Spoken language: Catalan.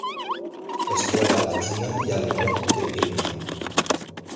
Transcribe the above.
Es troba a la Xina i al nord del Vietnam.